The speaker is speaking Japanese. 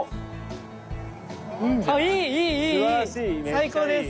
最高です。